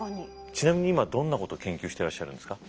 ちなみに今どんなこと研究してらっしゃるんですか？